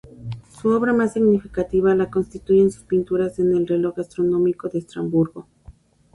Su obra más significativa la constituyen sus pinturas en el reloj astronómico de Estrasburgo.